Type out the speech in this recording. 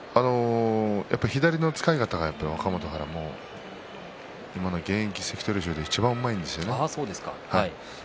左の使い方は、若元春は今の現役の関取衆でいちばんうまいんですよね。